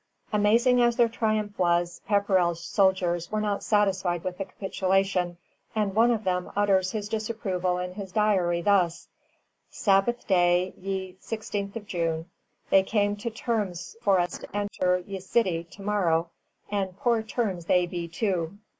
] Amazing as their triumph was, Pepperrell's soldiers were not satisfied with the capitulation, and one of them utters his disapproval in his diary thus: "Sabbath Day, ye 16th June. They came to Termes for us to enter ye Sitty to morrow, and Poore Termes they Bee too."